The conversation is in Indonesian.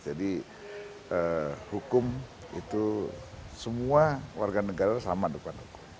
jadi hukum itu semua warga negara sama dengan hukum